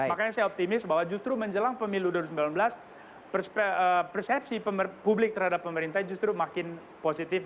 makanya saya optimis bahwa justru menjelang pemilu dua ribu sembilan belas persepsi publik terhadap pemerintah justru makin positif